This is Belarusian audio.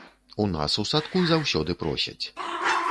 У нас у садку заўсёды просяць.